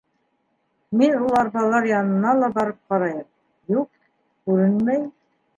Мин ул арбалар янына ла барып ҡарайым, юҡ, күренмәй.